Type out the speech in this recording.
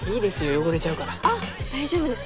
汚れちゃうか大丈夫です